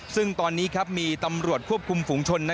ซึ่งตอนนี้มีตำรวจควบคุมฝุงชน